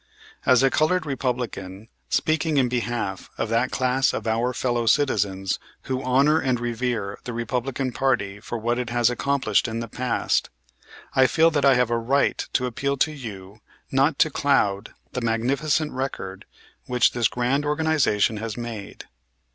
As a colored Republican, speaking in behalf of that class of our fellow citizens who honor and revere the Republican party for what it has accomplished in the past, I feel that I have a right to appeal to you not to cloud the magnificent record which this grand organization has made.